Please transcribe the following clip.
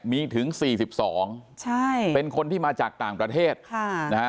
มีถึงสี่สิบสองใช่เป็นคนที่มาจากต่างประเทศค่ะ